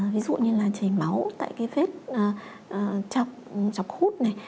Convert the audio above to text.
ví dụ như là chảy máu tại cái vết chọc hút này